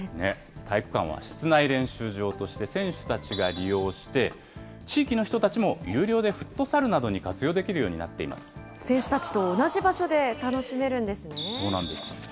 体育館は室内練習場として選手たちが利用して、地域の人たちも有料でフットサルなどに活用できるようになってい選手たちと同じ場所で楽しめそうなんです。